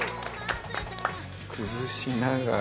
崩しながら。